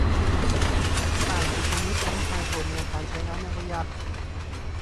และสร้างจิตสำนึกของประชาชนในการใช้น้ำอย่างประหยัด